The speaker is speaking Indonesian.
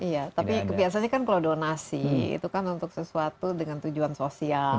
iya tapi biasanya kan kalau donasi itu kan untuk sesuatu dengan tujuan sosial